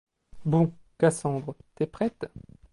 Bon, Cassandre, t’es prête ?